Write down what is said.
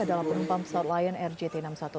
adalah penumpang pesawat lion air jt enam ratus sepuluh